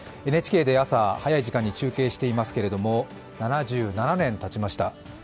ＮＨＫで朝早い時間に中継していますけれども、７７年たちました。